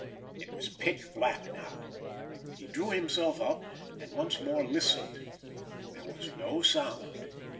It was pitch black now. He drew himself up, and once more listened. There was no sound.